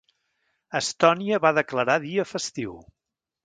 Estònia va declarar dia festiu.